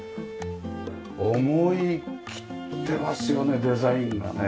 思いきってますよねデザインがね。